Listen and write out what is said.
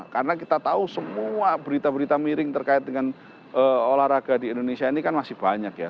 karena kita tahu semua berita berita miring terkait dengan olahraga di indonesia ini kan masih banyak ya